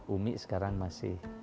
umi sekarang masih